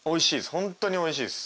本当においしいです。